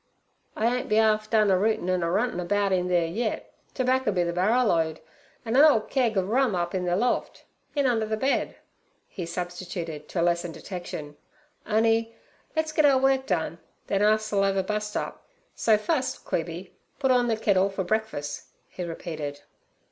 'I ain't be 'arf done a rootin' an' a runtin' about in theere yit. Terbaccer b' ther barrerload, an' a 'ole keg ov rum up in ther loft—in under the bed' he substituted, to lessen detection. 'On'y let's git our work done, then us'll ev a bust up; so fust, Queeby, put orn ther kittle for breakfuss' he repeated.